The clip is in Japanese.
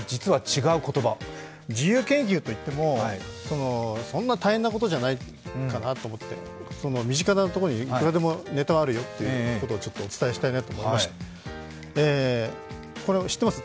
自由研究といってもそんなに大変なことじゃないかなと思って身近なところにいくらでもネタはあるよということをお伝えしたいと思いまして、知ってます？